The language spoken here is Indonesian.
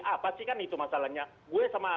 ah pasti kan itu masalahnya gue sama